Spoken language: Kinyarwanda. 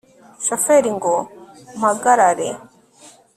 shoferi ngo mpagarare!